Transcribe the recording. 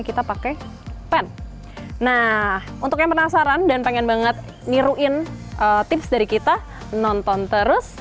kita pakai pen nah untuk yang penasaran dan pengen banget niruin tips dari kita nonton terus